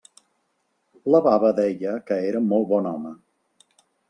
La baba deia que era molt bon home.